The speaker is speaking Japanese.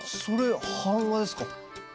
それ版画ですか。